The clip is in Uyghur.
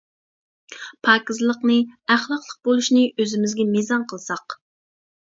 پاكىزلىقنى، ئەخلاقلىق بولۇشنى ئۆزىمىزگە مىزان قىلساق.